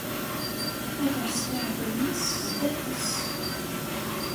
Ad rẓeɣ iɛdawen-is sdat-s.